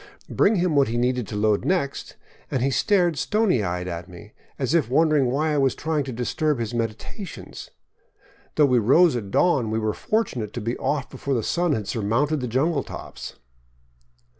Bring him what he needed to load next, and he stared stony eyed at me, as if wondering why I was trying to disturb his meditations. Though we rose at dawn, we were fortunate to be off before the sun had surmounted the jungle tree tops.